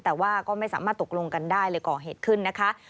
แต่ว่าก็ไม่สามารถตกลงกันได้เลยก่อเหตุขึ้นนะคะ